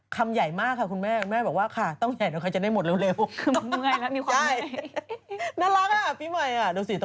คำใหญ่มากค่ะคุณแม่คุณแม่บอกว่าค่ะต้องใหญ่กว่าใครจะได้หมดเร็ว